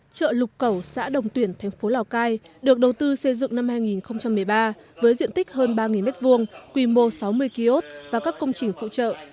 chợ lục cầu xã đồng tuyển thành phố lào cai được đầu tư xây dựng năm hai nghìn một mươi ba với diện tích hơn ba m hai quy mô sáu mươi kiosk và các công trình phụ trợ